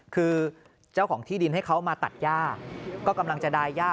คือเจ้าของที่ดินให้เขามาตัดย่าก็กำลังจะดายย่า